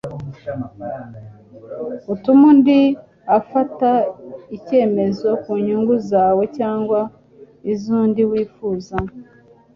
utume undi afata ikemezo ku nyungu zawe, cyangwa iz'undi wifuza.